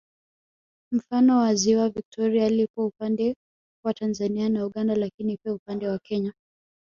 Mfano ziwa Viktoria lipo upande wa Tanzania na Uganda lakini pia upande wa Kenya